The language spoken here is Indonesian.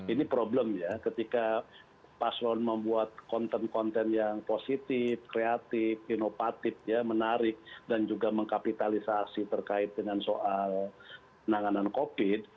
ini problem ya ketika paslon membuat konten konten yang positif kreatif inovatif menarik dan juga mengkapitalisasi terkait dengan soal penanganan covid